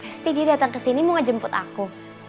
pasti dia datang ke sini mau ngejemput aku